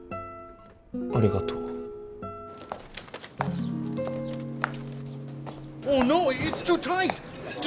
ありがとう。